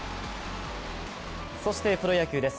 そしてプロ野球です。